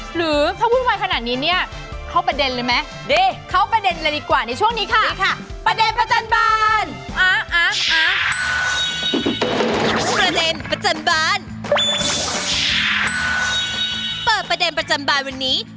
หรือถ้าพูดไวขนาดนี้นี่